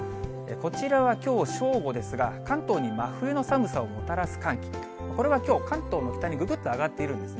こちらはきょう正午ですが、関東に真冬の寒さをもたらす寒気、これはきょう、関東の北にぐぐっと上がっているんですね。